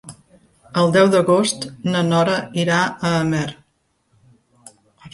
El deu d'agost na Nora irà a Amer.